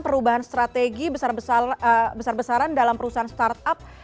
perubahan strategi besar besaran dalam perusahaan startup